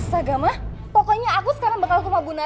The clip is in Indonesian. sampai jumpa di video selanjutnya